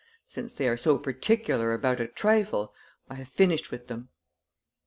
Since they are so particular about a trifle, I have finished with them!"